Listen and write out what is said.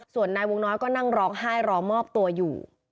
ส่วนนายวงน้อยก็นั่งร้องไห้รอมอบตัวอยู่